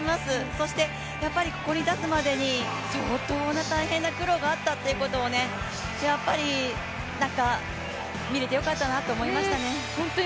そしてやっぱりここに立つまでに、相当な大変な苦労があったということを、見れて、よかったなと思いましたね